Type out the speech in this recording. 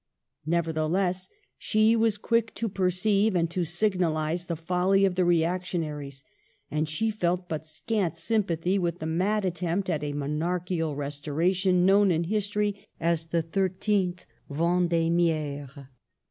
Nevertheless she was quick to perceive and to signalize the folly of the reactionaries ; and she felt but scant sympathy with the mad attempt at a monarchical restora tion known in history as the 13th Vend&niaire.